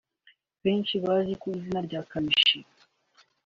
benshi bazi ku izina rya Kamichi